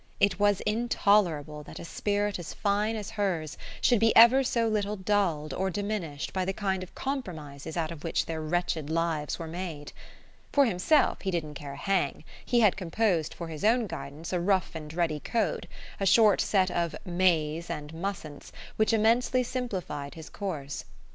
It was intolerable that a spirit as fine as hers should be ever so little dulled or diminished by the kind of compromises out of which their wretched lives were made. For himself, he didn't care a hang: he had composed for his own guidance a rough and ready code, a short set of "mays" and "mustn'ts" which immensely simplified his course.